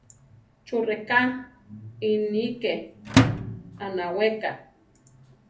¿Chú rʼeká iʼní ké anaweka?